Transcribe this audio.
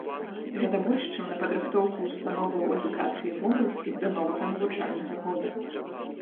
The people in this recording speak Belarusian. Гэта больш, чым на падрыхтоўку ўстановаў адукацыі вобласці да новага навучальнага года.